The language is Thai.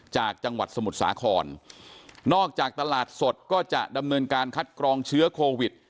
จากจังหวัดสมุทรสาครนอกจากตลาดสดก็จะดำเนินการคัดกรองเชื้อโควิด